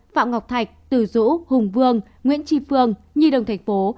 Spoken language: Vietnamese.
phạm ngọc thạch từ dũ hùng vương nguyễn tri phương nhi đồng thành phố